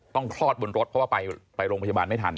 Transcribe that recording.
คลอดบนรถเพราะว่าไปโรงพยาบาลไม่ทัน